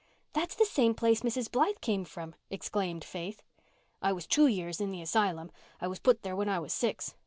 "That's the same place Mrs. Blythe came from," exclaimed Faith. "I was two years in the asylum. I was put there when I was six.